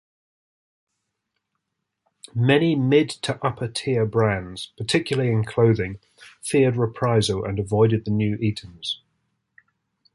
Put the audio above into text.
Many mid-to-upper tier brands, particularly in clothing, feared reprisal and avoided the new Eaton's.